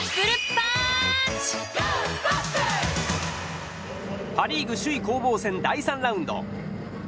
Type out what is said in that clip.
パ・リーグ首位攻防戦第３ラウンド。